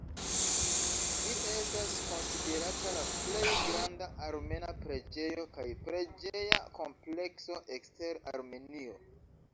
Ĝi estas konsiderata la plej granda armena preĝejo kaj preĝeja komplekso ekster Armenio.